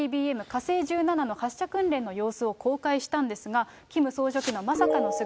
火星１７の発射訓練の様子を公開したんですが、キム総書記のまさかの姿。